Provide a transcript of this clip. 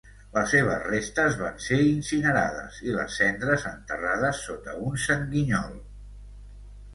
Les seves restes van ser incinerades, i les cendres enterrades sota un sanguinyol.